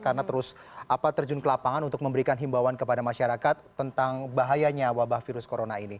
karena terus terjun ke lapangan untuk memberikan himbawan kepada masyarakat tentang bahayanya wabah virus corona ini